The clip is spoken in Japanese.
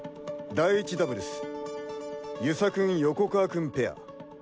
第１ダブルス遊佐君・横川君ペア。